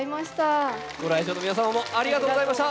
ご来場の皆様もありがとうございました。